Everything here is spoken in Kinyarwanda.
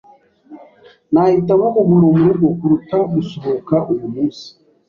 Nahitamo kuguma murugo kuruta gusohoka uyu munsi.